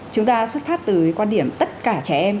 chúng ta xuất phát từ quan điểm tất cả trẻ em